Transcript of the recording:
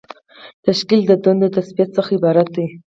تشکیل د دندو د تثبیت څخه عبارت دی.